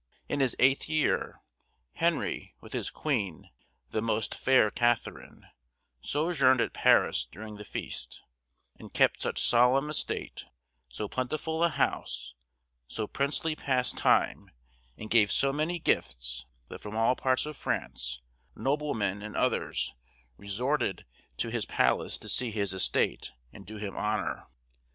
In his eighth year, Henry, with his queen, the "most fair" Katherine, sojourned at Paris during the feast, and "kept such solemn estate, so plentiful a house, so princely pastime, and gave so many gifts, that from all parts of France, noblemen and others resorted to his palace, to see his estate, and do him honour."